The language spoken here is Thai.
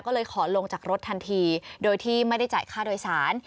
ก็เลยขอลงจากรถทันทีโดยที่ไม่ได้จ่ายค่าโดยสาร